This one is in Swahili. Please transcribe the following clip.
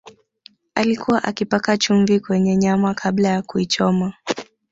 alikuwa akipaka chumvi kwenye nyama kabla ya kuichoma